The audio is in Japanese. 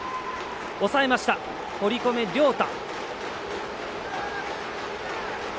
抑えました、堀米涼太。